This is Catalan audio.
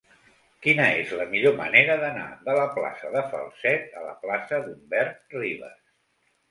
Quina és la millor manera d'anar de la plaça de Falset a la plaça d'Humberto Rivas?